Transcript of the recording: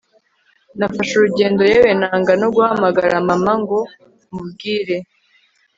Nafashe urugendo yewe nanga no guhamagara mama ngo mubwire